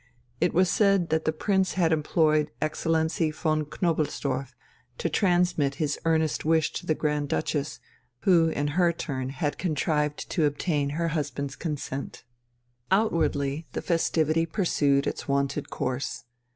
It was said that the Prince had employed Excellency von Knobelsdorff to transmit his earnest wish to the Grand Duchess, who in her turn had contrived to obtain her husband's consent. Outwardly the festivity pursued its wonted course.